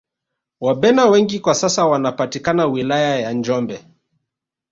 Wabena wengi kwa sasa wanapatikana wilaya ya njombe